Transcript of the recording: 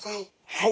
はい。